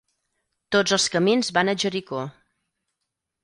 Tots els camins van a Jericó.